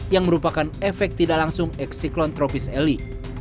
yang merupakan efek tidak langsung eksiklon tropis eli